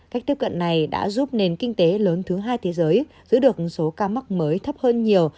cách tiếp cận này đã giúp nền kinh tế lớn thứ hai thế giới giữ được số ca mắc mới thấp hơn nhiều